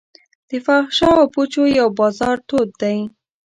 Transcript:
د فحاشا او پوچو یو بازار تود دی.